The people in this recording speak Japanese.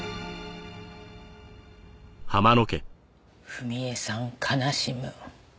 「文恵さん悲しむ」